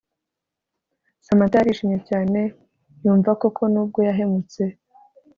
Samantha yarishimye cyane yumva koko nubwo yahemutse